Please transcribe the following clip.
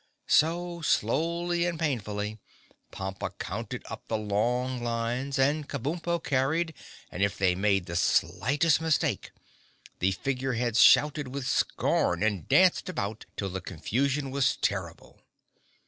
So, slowly and painfully, Pompa counted up the long lines and Kabumpo carried and if they made the slightest mistake the Figure Heads shouted with scorn and danced about till the confusion was terrible.